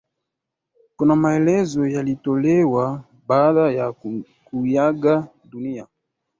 Kuna maelezo yaliyotolewa baada ya kuiaga dunia